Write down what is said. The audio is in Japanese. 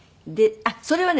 あっそれはね